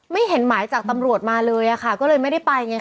ไม่เห็นหมายจากตำรวจมาเลยค่ะก็เลยไม่ได้ไปไงค่ะ